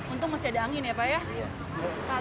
untung masih ada angin ya pak ya